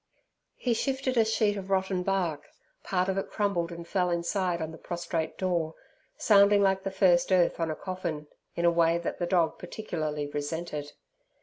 He shifted a sheet of rotten bark; part of it crumbled and fell inside on the prostrate door, sounding like the first earth on a coffin, in a way that the dog particularly resented.